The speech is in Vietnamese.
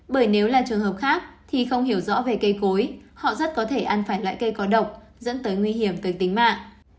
bởi nếu là trường hợp khác thì không hiểu rõ về cây cối họ rất có thể ăn phải loại cây có độc dẫn tới nguy hiểm về tính mạng